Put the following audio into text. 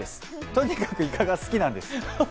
とにかくイカが好きなんです。